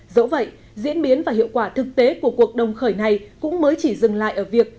dẫu vậy diễn biến và hiệu quả thực tế của cuộc đồng khởi này cũng mới chỉ dừng lại ở việc